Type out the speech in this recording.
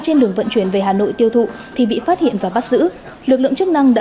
trên đường vận chuyển về hà nội tiêu thụ thì bị phát hiện và bắt giữ lực lượng chức năng đã